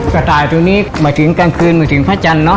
กระต่ายตัวนี้หมายถึงกลางคืนหมายถึงพระจันทร์เนอ